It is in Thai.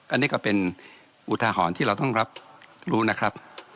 อันนี้ก็เป็นอุทหรณ์ที่เราต้องรับรู้นะครับ